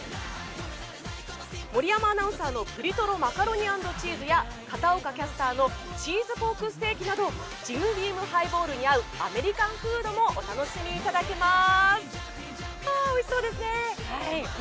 森山アナのぷりとろマカロニ＆チーズや片岡キャスターのチーズポークステーキなどジムビームハイボールに合うアメリカンフードもお楽しみいただけます。